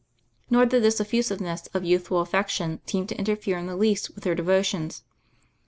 Nor did this effusiveness of youthful affection seem to interfere in the least with their devo tions.